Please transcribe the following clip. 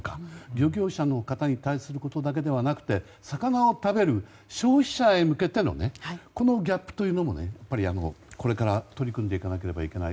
漁業者の方に対することだけではなくて魚を食べる消費者へ向けてのこのギャップを、これから取り組んでいかないといけない